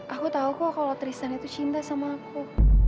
aku tahu kok kalau tristan itu cinta sama aku